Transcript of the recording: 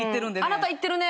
あなた行ってるね。